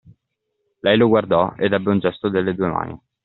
Lei lo guardò ed ebbe un gesto delle due mani.